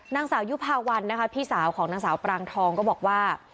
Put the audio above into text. นางสาวยุภาวันนะคะพี่สาวของนางสาวปรางทองก็บอกว่า